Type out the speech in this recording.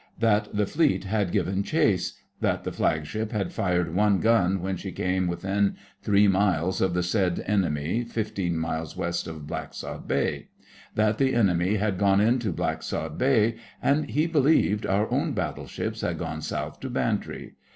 That the Fleet had given chase; that the Flagship had fired one gun when she came within three miles of the said enemy fifteen miles West of Blacksod Bay. That the enemy had gone in to Blacksod Bay, and, he believed, our own battleships had gone south to Bantry.